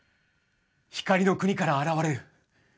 光の国から現れる。